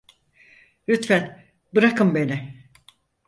Lütfen bırakın beni.